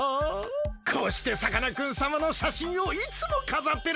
こうしてさかなクンさまのしゃしんをいつもかざってるんです。